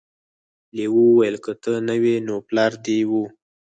لیوه وویل که ته نه وې نو پلار دې و.